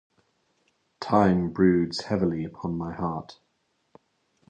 Time broods heavily upon my heart.